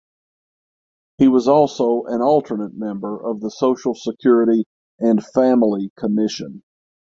He was also an alternate member of the Social Security and Family Commission.